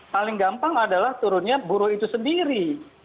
paling gampang adalah turunnya buruh itu sendiri